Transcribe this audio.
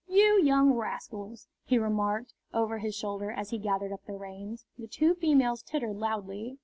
"You young rascals!" he remarked, over his shoulder, as he gathered up his reins. The two females tittered loudly.